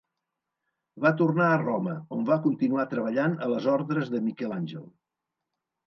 Va tornar a Roma, on va continuar treballant a les ordres de Miquel Àngel.